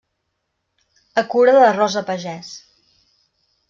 A cura de Rosa Pagès.